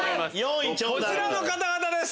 こちらの方々です！